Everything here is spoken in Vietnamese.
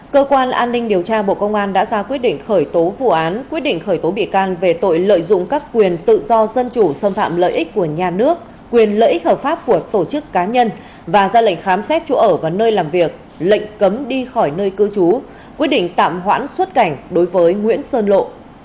cơ quan an ninh điều tra bộ công an đã ra quyết định khởi tố vụ án quyết định khởi tố bị can về tội lợi dụng các quyền tự do dân chủ xâm phạm lợi ích của nhà nước quyền lợi ích hợp pháp của tổ chức cá nhân và ra lệnh khám xét chỗ ở và nơi làm việc lệnh cấm đi khỏi nơi cư trú quyết định tạm hoãn xuất cảnh đối với nguyễn sơn lộ